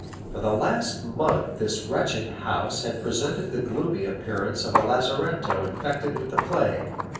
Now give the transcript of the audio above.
For the last month this wretched house had presented the gloomy appearance of a lazaretto infected with the plague.